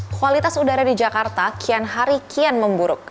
kualitas udara di jakarta kian hari kian memburuk